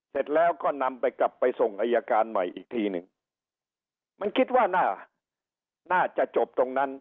เสร็จแล้วก็นำไปกลับไปส่งอายการใหม่อีกทีหนึ่งมันคิดว่าน่าจะจบตรงนั้น